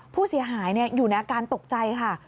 ผู้เสียหายอยู่ในอาการตกใจค่ะ